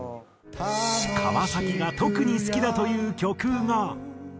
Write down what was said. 川崎が特に好きだという曲が。